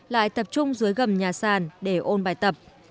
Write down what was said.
lại tập trung dưới gầm nhà sàn để ôn bài tập